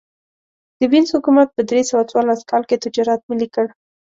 د وینز حکومت په درې سوه څوارلس کال کې تجارت ملي کړ